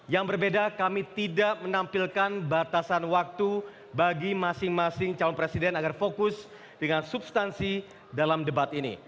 yang berbeda kami tidak menampilkan batasan waktu bagi masing masing calon presiden agar fokus dengan substansi dalam debat ini